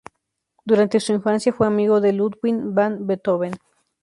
Durante su infancia fue amigo de Ludwig van Beethoven.